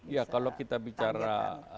ya kalau kita bicara